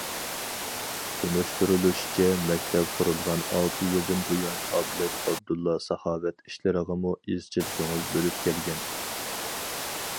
تونۇشتۇرۇلۇشىچە، مەكتەپ قۇرۇلغان ئالتە يىلدىن بۇيان، ئابلەت ئابدۇللا ساخاۋەت ئىشلىرىغىمۇ ئىزچىل كۆڭۈل بۆلۈپ كەلگەن.